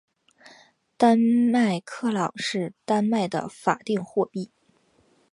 丹麦克朗是丹麦的法定货币。